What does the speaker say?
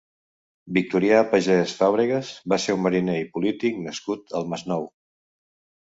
Victorià Pagès Fàbregas va ser un mariner i polític nascut al Masnou.